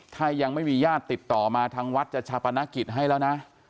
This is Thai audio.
ถ้ายังไม่มีญาติติดต่อมาทางวัดจะชาปนกิจให้แล้วนะ